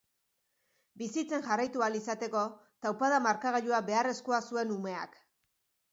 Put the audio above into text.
Bizitzen jarraitu ahal izateko taupada-markagailua beharrezkoa zuen umeak.